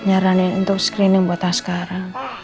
berani untuk screening buat askara